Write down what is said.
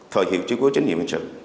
thời hiệu trí của chính nhiệm hình sự